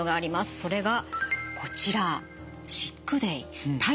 それがこちら。